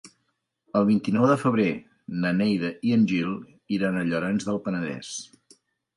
El vint-i-nou de febrer na Neida i en Gil iran a Llorenç del Penedès.